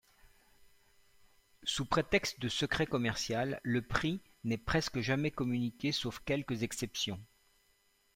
Sous prétexte de secret commercial, le prix n'est presque jamais communiqué sauf quelques exceptions.